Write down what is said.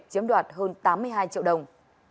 chiếm đoạt hơn tám mươi hai triệu đồng